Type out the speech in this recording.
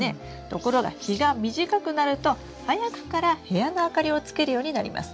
ところが日が短くなると早くから部屋の明かりをつけるようになります。